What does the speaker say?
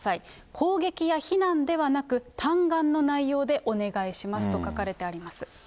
攻撃や非難ではなく、嘆願の内容でお願いしますと書かれてあります。